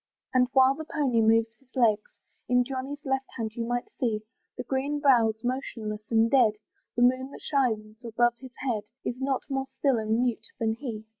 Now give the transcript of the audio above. And while the pony moves his legs, In Johnny's left hand you may see, The green bough's motionless and dead; The moon that shines above his head Is not more still and mute than he.